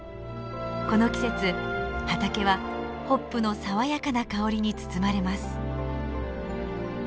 この季節畑はホップの爽やかな香りに包まれます。